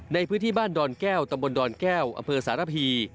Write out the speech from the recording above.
ในพื้นที่บ้านดอนแก้วตำบลดอนแก้วอำเภอสารพี